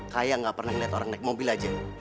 kayak gak pernah ngeliat orang naik mobil aja